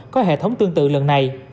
có hệ thống tương tự lần này